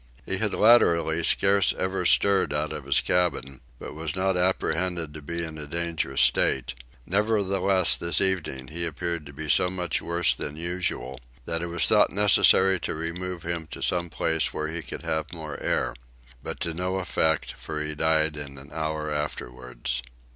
He had latterly scarce ever stirred out of his cabin but was not apprehended to be in a dangerous state; nevertheless this evening he appeared to be so much worse than usual that it was thought necessary to remove him to some place where he could have more air; but to no effect for he died in an hour afterwards.